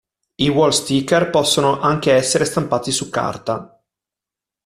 I wall sticker possono anche essere stampati su carta.